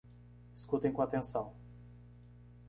escutem com atenção!